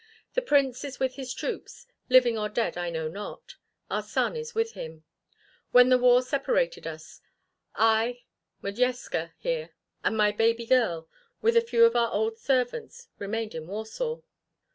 The Prince is with his troops, living or dead I know not. Our son is with him. When the war separated us I, Modjeska here and my baby girl, with a few of our old servants, remained in Warsaw.